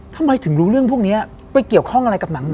ทำไมถึงรู้เรื่องพวกนี้ไปเกี่ยวข้องอะไรกับหนัง